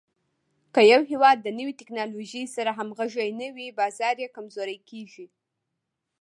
که یو هېواد د نوې ټکنالوژۍ سره همغږی نه وي، بازار یې کمزوری کېږي.